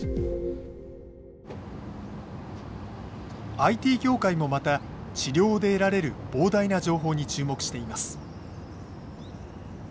ＩＴ業界もまた治療で得られる膨大な情報に注目しています。